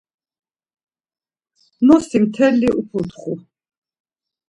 Ğnosi mteli uputxu.